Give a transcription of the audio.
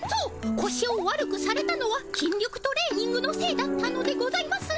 こしを悪くされたのは筋力トレーニングのせいだったのでございますね。